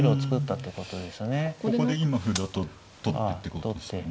ここで今歩だと取ってってことですよね。